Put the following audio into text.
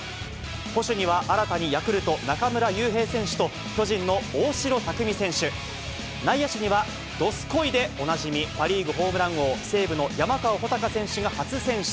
捕手には、新たにヤクルト、中村悠平選手と巨人の大城卓三選手、内野手には、どすこーいでおなじみ、パ・リーグホームラン王、西武の山川穂高選手が初選出。